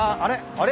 あれ？